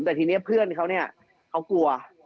แต่ทีนี้เพื่อนเขาเนี่ยเขากลัว